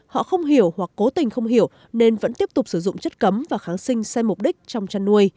họ không hiểu hoặc cố tình không hiểu nên vẫn tiếp tục sử dụng chất cấm và kháng sinh xem mục đích trong chăn nuôi